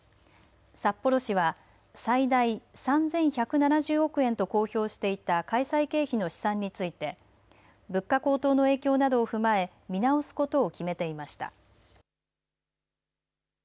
札幌市は最大３１７０億円と公表していた開催経費の試算について物価高騰の影響などを踏まえ見直すことを決めていました。